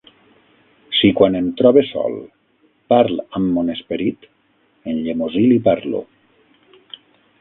Si quan em trobe sol, parl amb mon esperit, en llemosí li parlo.